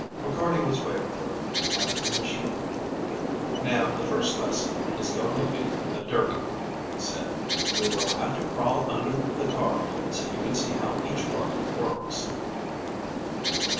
McCarty was waiting for him at the machine. "Now the first lesson is going to be a dirty one," he said. "We will have to crawl under the car, so you can see how each part works."